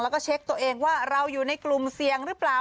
แล้วก็เช็คตัวเองว่าเราอยู่ในกลุ่มเสี่ยงหรือเปล่า